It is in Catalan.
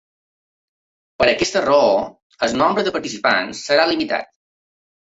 Per aquesta raó el nombre de participants serà limitat.